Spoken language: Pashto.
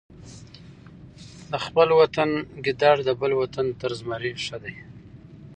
د خپل وطن ګیدړ د بل وطن تر زمري ښه دی.